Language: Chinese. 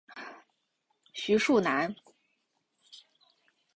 徐树楠。